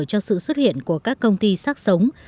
cho sự xuất hiện của các công ty sát sống